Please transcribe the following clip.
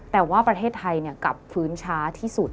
แต่ว่าประเทศไทยกลับฟื้นช้าที่สุด